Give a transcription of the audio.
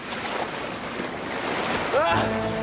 うわっ！